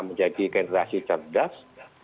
menjadi generasi cerdas